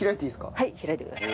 はい開いてください。